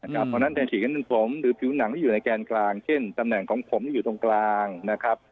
เพราะฉะนั้นแทนสีเงินผมหรือผิวหนังที่อยู่ในแกนกลางเช่นตำแหน่งของผมอยู่ตรงกลางนะครับ